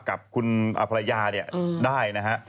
กับคุณภรรยาเนี่ยได้นะฮะ